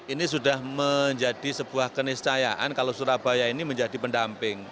ini sudah menjadi sebuah keniscayaan kalau surabaya ini menjadi pendamping